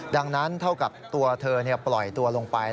ดังนั้นเท่ากับตัวเธอปล่อยตัวลงไป